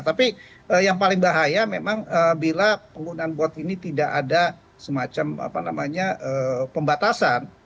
tapi yang paling bahaya memang bila penggunaan bot ini tidak ada semacam pembatasan